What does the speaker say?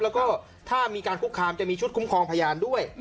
แล้วก็ถ้ามีการคุกคามจะมีชุดคุ้มครองพยานด้วย